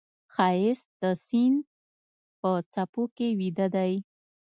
ښایست د سیند په څپو کې ویده دی